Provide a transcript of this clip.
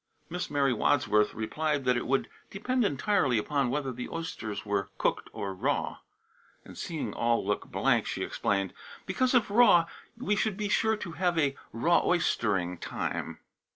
Miss Mary Wadsworth replied that it would depend entirely upon whether the oysters were cooked or raw; and seeing all look blank, she explained: "Because, if raw, we should be sure to have a raw oyster ing time."